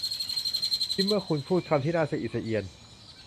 ยิ้มเมื่อคุณพูดคำที่น่าสะอิดสะเอียน